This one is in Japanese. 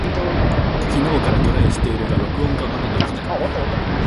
昨日からトライしているが録音がまだできない。